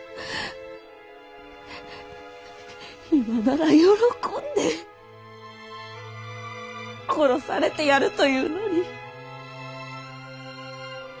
今なら喜んで殺されてやるというのに。